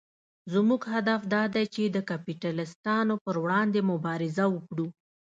زموږ هدف دا دی چې د کپیټلېستانو پر وړاندې مبارزه وکړو.